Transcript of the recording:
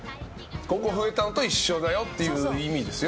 ５個増えたのと一緒だよという意味ですよ。